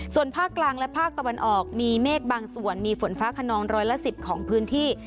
ส่วนภาคกลางและภาคตะวันออกมีเมฆบางส่วนมีฝนฟ้าขนองร้อยละ๑๐ของพื้นที่